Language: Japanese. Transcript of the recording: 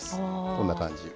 こんな感じ。